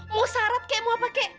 mau syarat kayak mau apa kaya